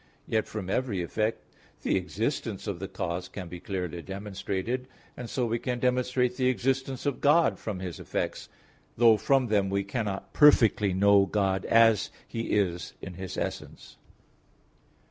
Yet from every effect the existence of the cause can be clearly demonstrated, and so we can demonstrate the existence of God from His effects; though from them we cannot perfectly know God as He is in His essence.